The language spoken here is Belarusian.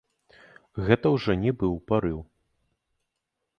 Гэта ўжо не быў парыў.